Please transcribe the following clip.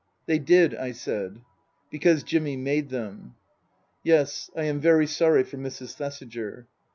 " They did," I said. " Because Jimmy made them." Yes. I am very sorry for Mrs. Thesiger.